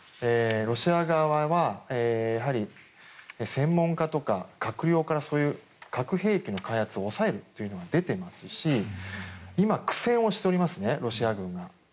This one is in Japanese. ロシア側はやはり、専門家とか閣僚から核兵器の開発を抑えるというのは出ていますし、今、苦戦をしていますね、ロシア軍が。